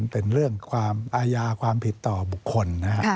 เป็นเรื่องความอาญาความผิดต่อบุคคลนะครับ